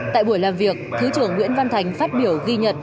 tại buổi làm việc thứ trưởng nguyễn văn thành phát biểu ghi nhận